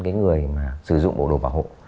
cái người mà sử dụng bộ đồ bảo hộ